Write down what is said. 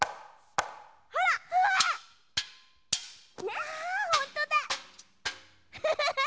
わほんとだ！